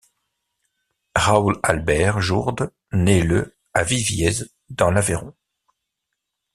Raoul Albert Jourde naît le à Viviez dans l'Aveyron.